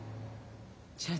社長